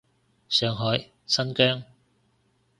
上海，新疆